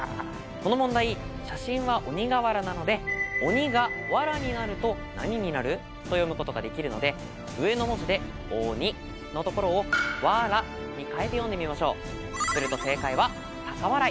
この問題写真は「鬼がわら」なのでと何になる？と読むことができるので上の文字で「おに」のところを「わら」に変えて読んでみましょうするとえい！